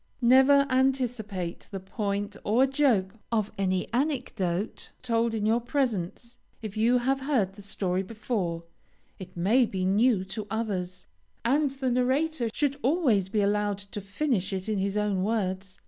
Never anticipate the point or joke of any anecdote told in your presence. If you have heard the story before, it may be new to others, and the narrator should always be allowed to finish it in his own words.